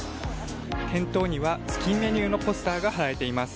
店頭には月見メニューのポスターが貼られています。